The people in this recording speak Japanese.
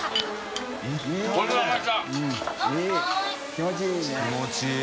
気持ちいい。